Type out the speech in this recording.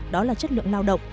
đó là chất lượng lao động